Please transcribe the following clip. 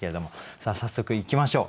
さあ早速いきましょう。